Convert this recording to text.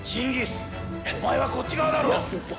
お前はこっち側だろう！